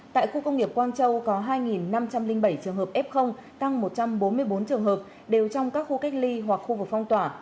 tại khu công nghiệp quang châu có hai năm trăm linh bảy trường hợp f tăng một trăm bốn mươi bốn trường hợp đều trong các khu cách ly hoặc khu vực phong tỏa